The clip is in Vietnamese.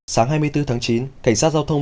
sáng hai mươi bốn tháng chín cảnh sát giao thông